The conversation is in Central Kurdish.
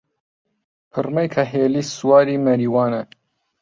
پڕمەی کەحێلی سواری مەریوانە